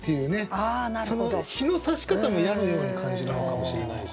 その日のさし方も矢のように感じるのかもしれないし。